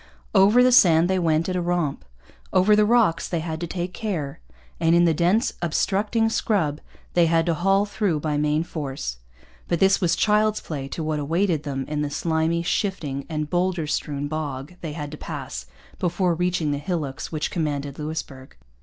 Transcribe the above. Over the sand they went at a romp. Over the rocks they had to take care; and in the dense, obstructing scrub they had to haul through by main force. But this was child's play to what awaited them in the slimy, shifting, and boulder strewn bog they had to pass before reaching the hillocks which commanded Louisbourg.